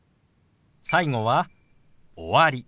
最後は「終わり」。